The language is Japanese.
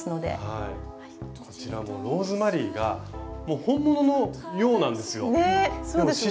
はいこちらもローズマリーがもう本物のようなんですよ！ね！